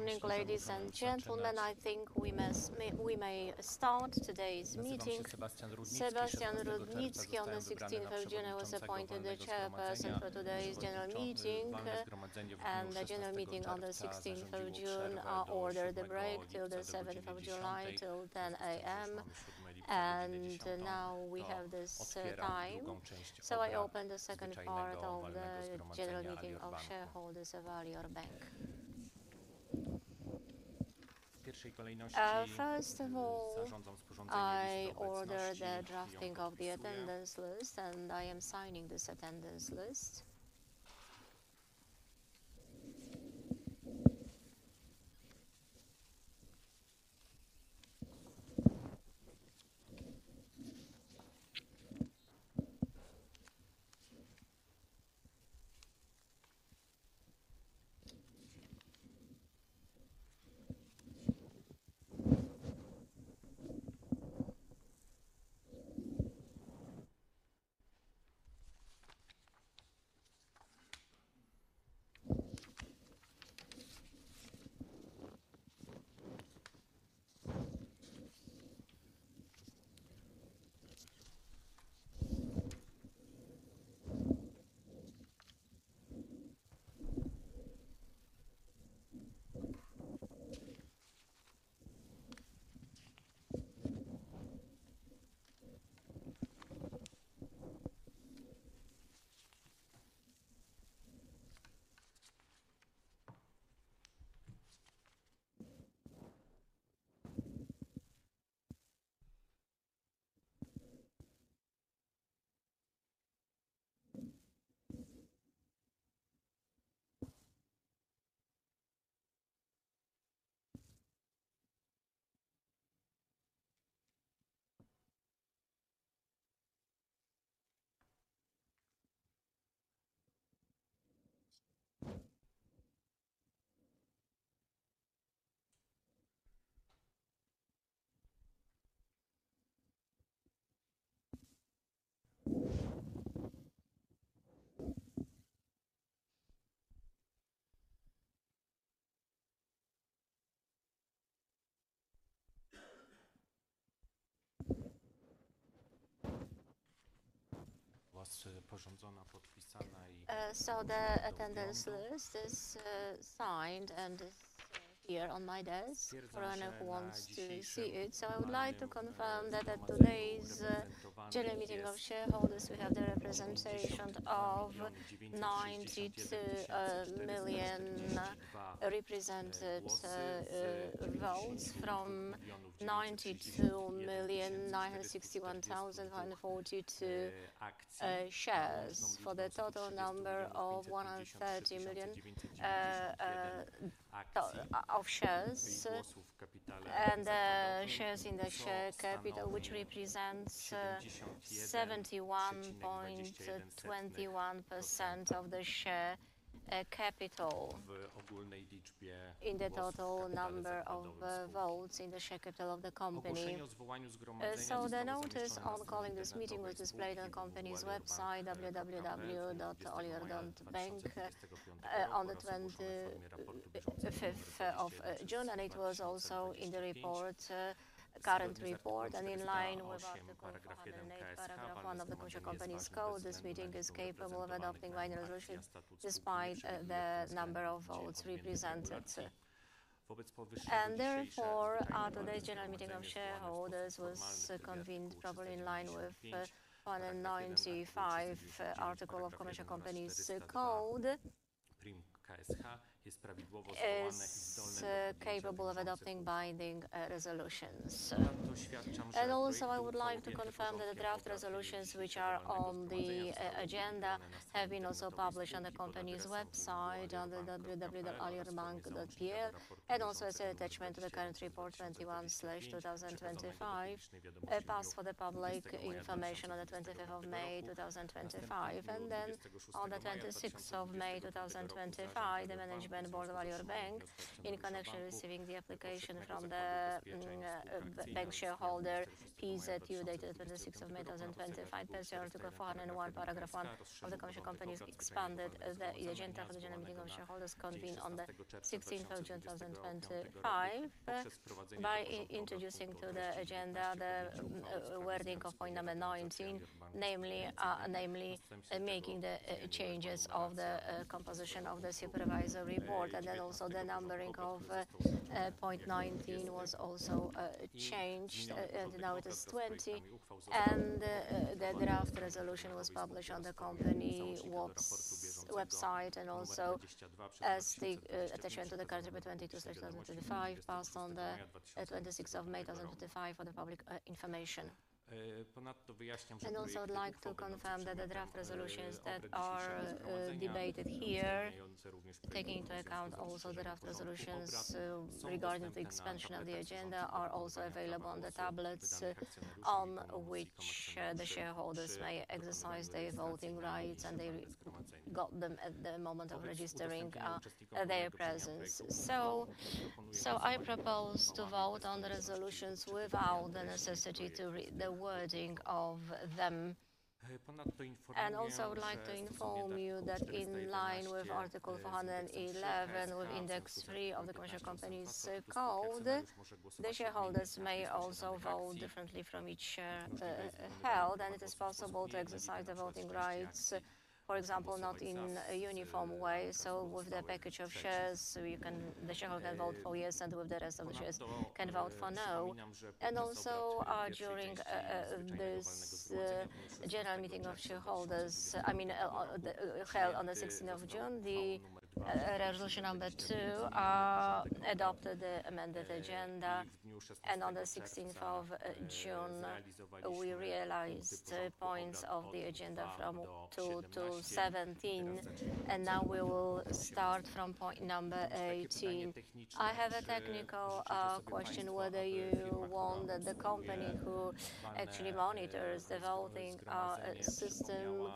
Morning, ladies and gentlemen. I think we may start today's meeting. Sebastian Rudnicki on the 16th of June was appointed the Chairperson for today's general meeting. The general meeting on the 16th of June ordered a break till the 7th of July till 10:00 A.M. Now we have this time, so I open the second part of the general meeting of shareholders of Alior Bank. First of all, I order the drafting of the attendance list, and I am signing this attendance list. The attendance list is signed and is here on my desk for anyone who wants to see it. I would like to confirm that at today's general meeting of shareholders, we have the representation of 92 million represented votes from 92,961,542 shares for the total number of 130 million shares. The shares in the share capital represent 71.21% of the share capital in the total number of votes in the share capital of the company. The notice on calling this meeting was displayed on the company's website, www.alior.bank, on the 25th of June, and it was also in the current report. In line with Article 208 paragraph 1 of the Commercial Companies Code, this meeting is capable of adopting by the resolution despite the number of votes represented. Therefore, today's general meeting of shareholders was convened properly in line with Article 195 of the Commercial Companies Code. It's capable of adopting binding resolutions. I would also like to confirm that the draft resolutions, which are on the agenda, have been also published on the company's website under www.aliorbank.pl. I see an attachment to the current report 21/2025 passed for the public information on the 25th of May 2025. On the 26th of May 2025, the Management Board of Alior Bank, in connection with receiving the application from the bank shareholder PZU dated the 26th of May 2025, passed the Article 401 paragraph 1 of the Commercial Companies Code. Expanded the agenda for the general meeting of shareholders convened on the 16th of June 2025 by introducing to the agenda the wording of point number 19, namely making the changes of the composition of the Supervisory Board. The numbering of point 19 was also changed, and now it is 20. The draft resolution was published on the company website and also as an attachment to the current report 22/2025 passed on the 26th of May 2025 for the public information. I would like to confirm that the draft resolutions that are debated here, taking into account also the draft resolutions regarding the expansion of the agenda, are also available on the tablets on which the shareholders may exercise their voting rights, and they got them at the moment of registering their presence. I propose to vote on the resolutions without the necessity to read the wording of them. I would like to inform you that in line with Index 3 of the Commercial Companies Code, the shareholders may also vote differently from each share held, and it is possible to exercise the voting rights, for example, not in a uniform way. With the package of shares, the shareholder can vote for yes, and with the rest of the shares, can vote for no. During this general meeting of shareholders held on the 16th of June, resolution number two adopted the amended agenda. On the 16th of June, we realized points of the agenda from 2 to 17. Now we will start from point number 18. I have a technical question whether you want the company who actually monitors the voting system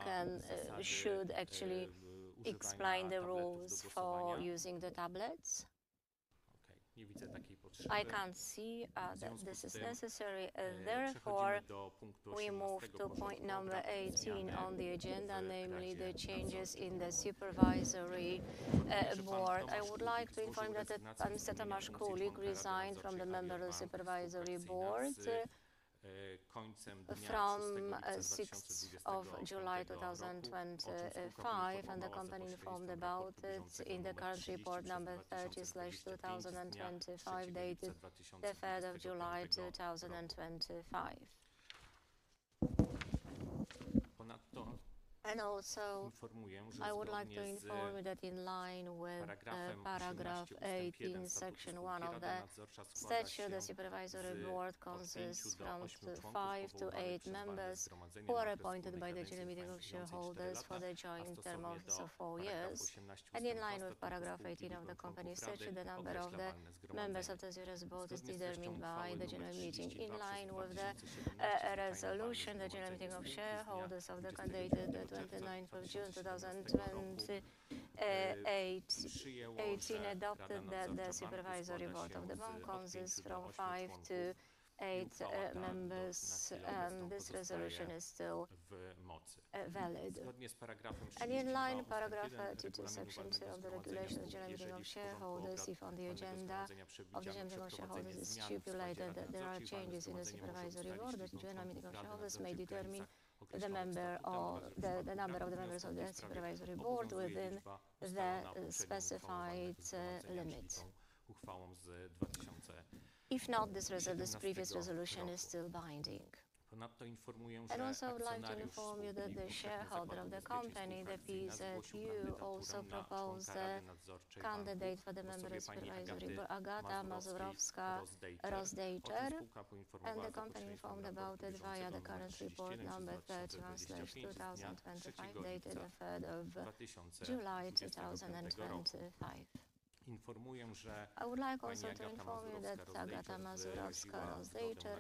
to explain the rules for using the tablets. I can't see that this is necessary. Therefore, we move to point number 18 on the agenda, namely the changes in the Supervisory Board. I would like to inform that Mr. Tomasz Kulik resigned from the member of the Supervisory Board from 6th of July 2025, and the company informed about it in the current report number 30/2025 dated the 3rd of July 2025. I would also like to inform you that in line with paragraph 18, section one of the statute, the Supervisory Board consists of five to eight members who are appointed by the General Meeting of Shareholders for the joint term of four years. In line with paragraph 18 of the company statute, the number of the members of the board is determined by the General Meeting. In line with the resolution, the General Meeting of Shareholders of the candidate the 29th of June 2018 adopted that the Supervisory Board of the bank consists of five to eight members, and this resolution is still valid. In line with paragraph 32, section two of the regulation of the general meeting of shareholders, if on the agenda of the general meeting of shareholders it is stipulated that there are changes in the Supervisory Board, the general meeting of shareholders may determine the number of the members of the Supervisory Board within the specified limit. If not, this previous resolution is still binding. I would like to inform you that the shareholder of the company, PZU, also proposed the candidate for the member of the Supervisory Board, Agata Mazurowska-Rozdeiczer, and the company informed about it via the current report number 31/2025 dated July 3, 2025. I would also like to inform you that Agata Mazurowska-Rozdeiczer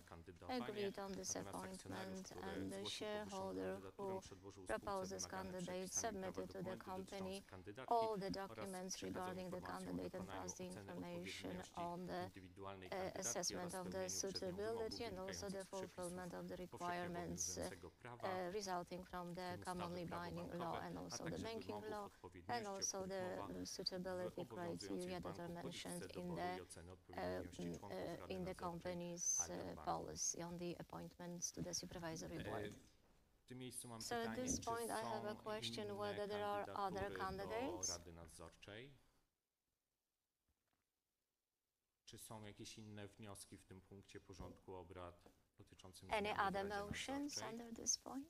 agreed on this appointment, and the shareholder who proposed this candidate submitted to the company all the documents regarding the candidate and passed the information on the assessment of the suitability and also the fulfillment of the requirements resulting from the commonly binding law and the banking law, and the suitability criteria that are mentioned in the company's policy on the appointments to the Supervisory Board. At this point, I have a question whether there are other candidates. Any other motions under this point?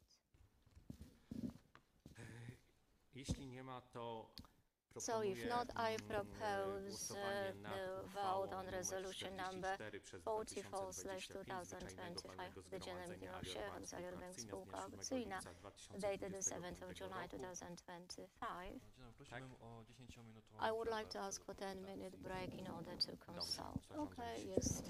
If not, I propose the vote on resolution number 44/2025 of the general meeting of shareholders of Alior Bank S.A. dated July 7, 2025. I would like to ask for a 10-minute break in order to consult. Okay. Yes.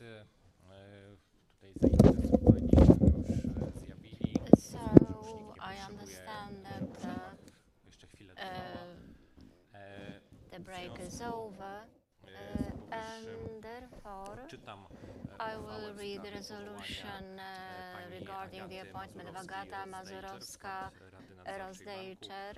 10-minute report. Yes, I do. I will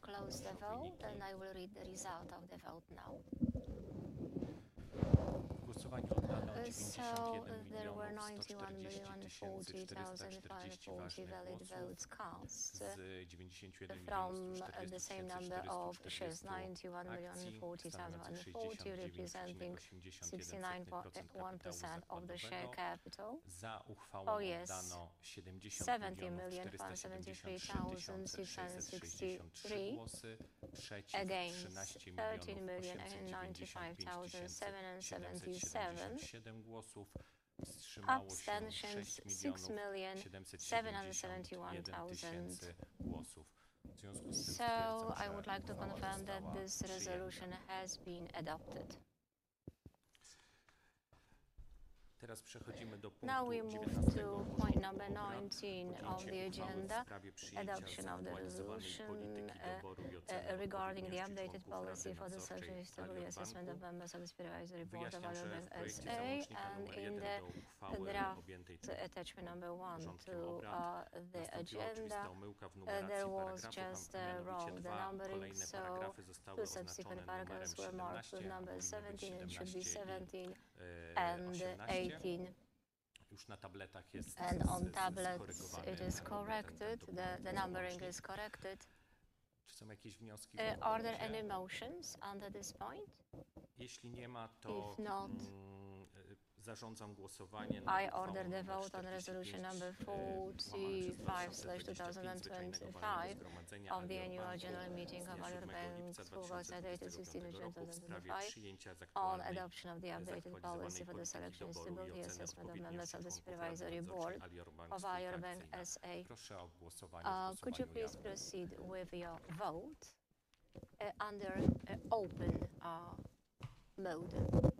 close the vote and I will read the result of the vote now. The results are 91,040,540 valid votes cast from the same number of shares, 91,040,540 representing 69.1% of the share capital. Oh, yes, 70,073,263 again 13,095,777, absentions 6,771,000. I would like to confirm that this resolution has been adopted. Now we move to point number 19 of the agenda, adoption of the resolution regarding the updated policy for the social stability assessment of members of the Supervisory Board of Alior Bank S.A. In the draft attachment number one to the agenda, there was just wrong numbering, so two subsequent paragraphs were marked with number 17 and should be 17 and 18. On tablets, it is corrected. The numbering is corrected. Are there any motions under this point? If not, I order the vote on resolution number 45/2025 of the annual general meeting of Alior Bank S.A. dated 16 June 2025 on adoption of the updated policy for the selection and suitability assessment of members of the Supervisory Board of Alior Bank S.A. Could you please proceed with your vote under open mode?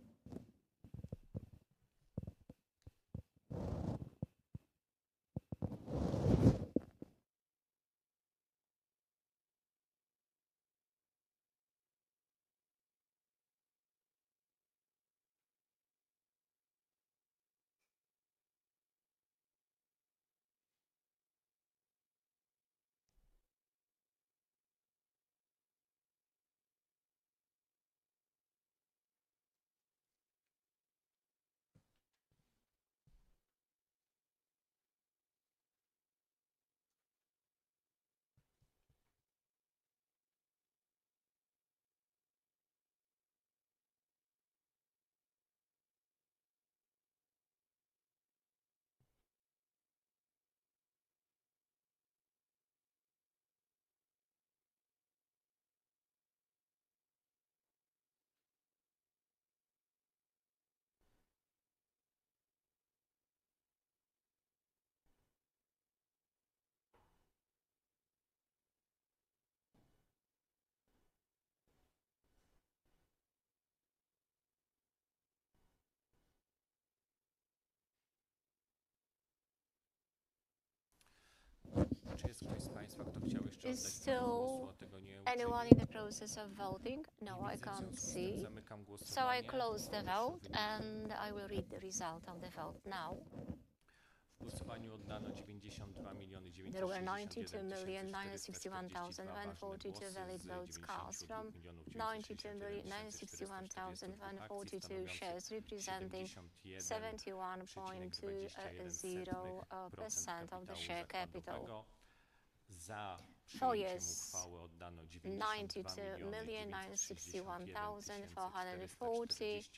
Is still anyone in the process of voting? No, I can't see. I close the vote and I will read the result of the vote now. There were 92,961,142 valid votes cast from 92,961,142 shares, representing 71.20% of the share capital. 92,961,140,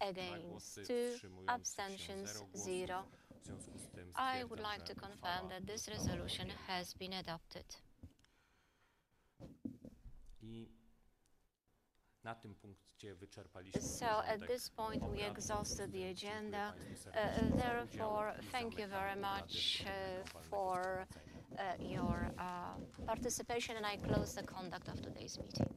again 2, abstentions 0. I would like to confirm that this resolution has been adopted. At this point, we exhausted the agenda. Therefore, thank you very much for your participation, and I close the conduct of today's meeting.